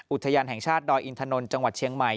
อุทยานแห่งชาติดอยอินทนนท์จังหวัดเชียงใหม่